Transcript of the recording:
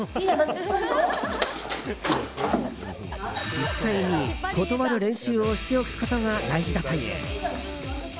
実際に断わる練習をしておくことが大事だという。